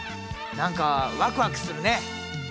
何かワクワクするね。